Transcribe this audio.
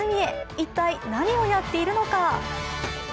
一体何をやっているのか？